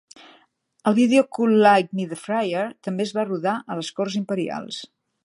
El vídeo Cool Like Me de Fryar també es va rodar a les corts imperials.